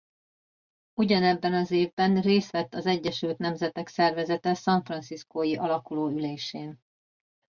Ugyanebben az évben részt vett az Egyesült Nemzetek Szervezete San Franciscó-i alakuló ülésén.